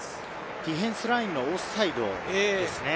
ディフェンスラインがオフサイドですね。